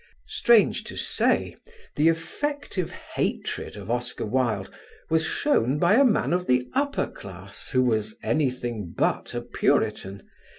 Strange to say the effective hatred of Oscar Wilde was shown by a man of the upper class who was anything but a puritan.